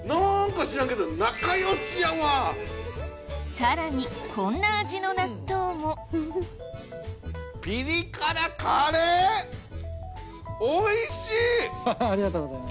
さらにこんな味の納豆もありがとうございます。